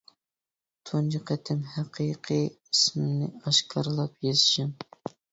تۇنجى قېتىم ھەقىقىي ئىسمىنى ئاشكارىلاپ يېزىشىم.